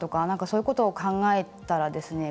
そういうことを考えたらですね